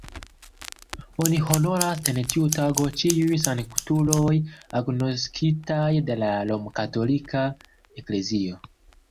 Oni honoras en tiu tago ĉiuj sanktuloj agnoskitaj de la romkatolika eklezio.